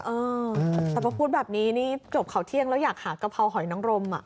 เออแต่พอพูดแบบนี้นี่จบข่าวเที่ยงแล้วอยากหากะเพราหอยนังรม